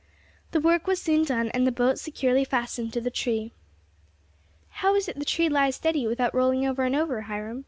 The work was soon done, and the boat securely fastened to the tree. "How is it the tree lies steady without rolling over and over, Hiram?"